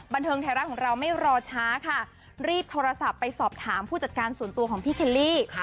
บันเทิงไทยรัฐของเราไม่รอช้าค่ะรีบโทรศัพท์ไปสอบถามผู้จัดการส่วนตัวของพี่เคลลี่